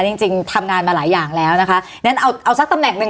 จริงจริงทำงานมาหลายอย่างแล้วนะคะงั้นเอาเอาสักตำแหน่งหนึ่ง